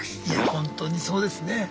いやほんとにそうですね。